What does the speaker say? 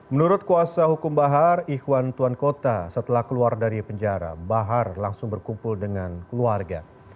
menurut kuasa hukum bahar ikhwan tuan kota setelah keluar dari penjara bahar langsung berkumpul dengan keluarga